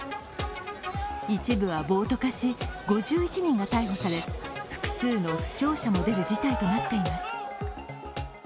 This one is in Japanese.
一部は暴徒化し、５１人が逮捕され、複数の負傷者も出る事態となっています。